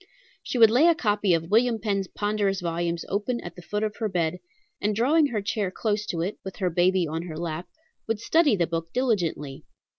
"She would lay a copy of William Penn's ponderous volumes open at the foot of her bed, and drawing her chair close to it, with her baby on her lap, would study the book diligently.